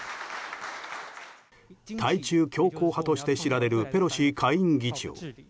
対中強硬派として知られるペロシ下院議長。